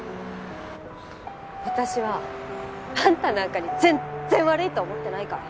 私はあんたなんかに全然悪いと思ってないから。